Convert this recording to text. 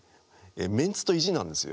メンツと意地なんですよ。